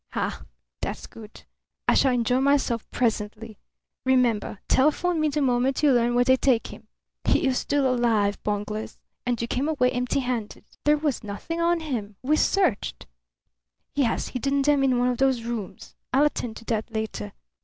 "Ha! That's good. I shall enjoy myself presently. Remember: telephone me the moment you learn where they take him. He is still alive, bunglers! And you came away empty handed." "There was nothing on him. We searched." "He has hidden them in one of those rooms. I'll attend to that later.